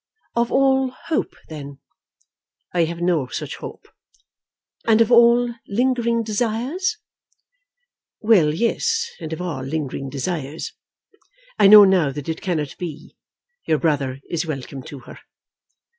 "Of all hope, then?" "I have no such hope." "And of all lingering desires?" "Well, yes; and of all lingering desires. I know now that it cannot be. Your brother is welcome to her."